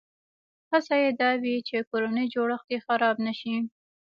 هڅه یې دا وي چې کورنی جوړښت یې خراب نه شي.